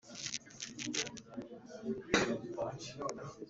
ugiye gusanga ngo ubanyage ibyabo,